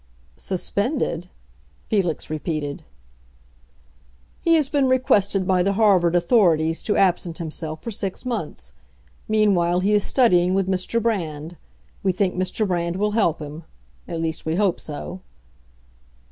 "Suspended?" Felix repeated. "He has been requested by the Harvard authorities to absent himself for six months. Meanwhile he is studying with Mr. Brand. We think Mr. Brand will help him; at least we hope so."